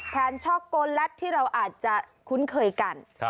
ช็อกโกแลตที่เราอาจจะคุ้นเคยกัน